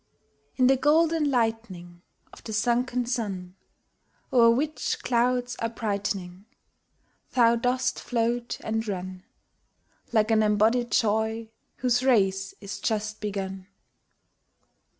In the golden lightning Of the sunken sun, O'er which clouds are brightening, Thou dost float and run, Like an embodied joy whose race is just begun.